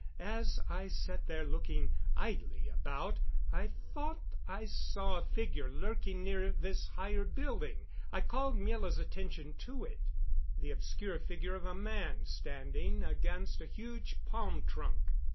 As I sat there looking idly about I thought I saw a figure lurking near this higher building. I called Miela's attention to it the obscure figure of a man standing against a huge palm trunk.